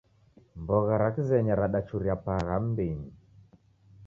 Mbogha ra Kizenya radachuria pagha mmbinyi